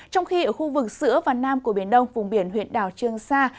trong khi ở khu vực giữa và nam của biển đông vùng biển huyện đảo trương sa